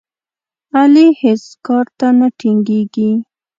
علي هېڅ کار ته نه ټینګېږي.